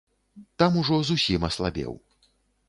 Там ужо зусім аслабеў.